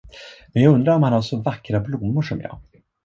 Men jag undrar om han har så vackra blommor som jag!